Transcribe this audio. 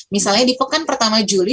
misalnya di pekan pertama juli